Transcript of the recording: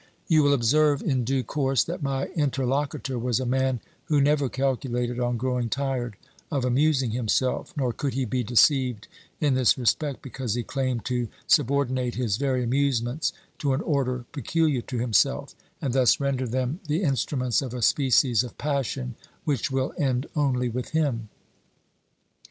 You will observe in due course that my interlocutor was a man who never calculated on growing tired of amusing himself, nor could he be deceived in this respect because he claimed to subordinate his very amusements to an order peculiar to himself, and thus render them the instruments of a species of passion which will end only with him.